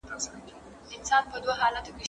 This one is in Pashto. آیا د مېوو صادرات له مالیې څخه معاف دي؟.